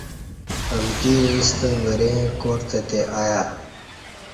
امکی ایݩستہ وریں کار تہ تئے آیہ